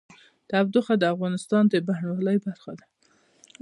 تودوخه د افغانستان د بڼوالۍ برخه ده.